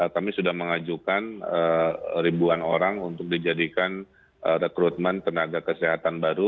kami sudah mengajukan ribuan orang untuk dijadikan rekrutmen tenaga kesehatan baru